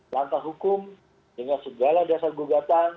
lantas hukum dengan segala dasar gugatan